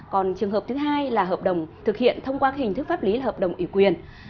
còn trường hợp thứ hai là hợp đồng thực hiện thông qua hình thức pháp lý là hợp đồng ủy quyền